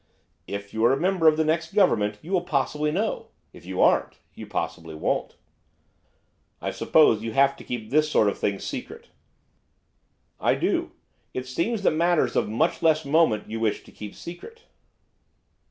'If you are a member of the next government you will possibly know; if you aren't you possibly won't.' 'I suppose you have to keep this sort of thing secret?' 'I do. It seems that matters of much less moment you wish to keep secret.